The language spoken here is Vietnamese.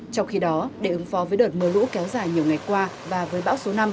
trong khi đó để ứng phó với đợt mưa lũ kéo dài nhiều ngày qua và với bão số năm